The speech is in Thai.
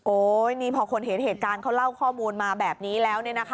นี่พอคนเห็นเหตุการณ์เขาเล่าข้อมูลมาแบบนี้แล้ว